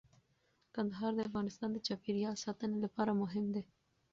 کندهار د افغانستان د چاپیریال ساتنې لپاره مهم دی.